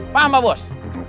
paham pak bos